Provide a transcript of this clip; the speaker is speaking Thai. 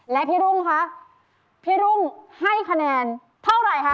และพี่รุ่งคะพี่รุ่งให้คะแนนเท่าไหร่คะ